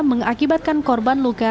mengakibatkan korban luka